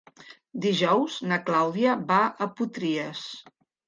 Dijous na Clàudia va a Potries.